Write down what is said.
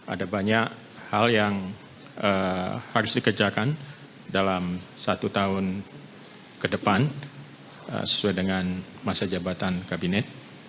ada banyak hal yang harus dikerjakan dalam satu tahun ke depan sesuai dengan masa jabatan kabinet